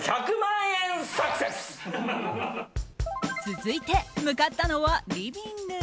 続いて向かったのはリビング。